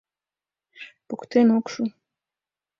Поктен ок шу.